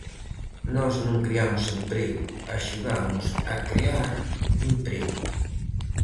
Nós non creamos emprego, axudamos a crear emprego.